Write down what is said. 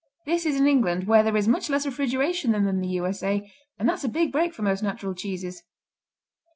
This is in England, where there is much less refrigeration than in the U.S.A., and that's a big break for most natural cheeses.